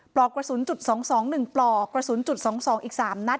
ปลอกกระสุนจุด๒๒๑ปลอกกระสุนจุด๒๒อีก๓นัด